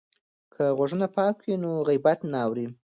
که غوږونه پاک وي نو غیبت نه اوري.